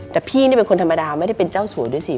แต่พี่นี่เป็นคนธรรมดาไม่ได้เป็นเจ้าสัวด้วยสิ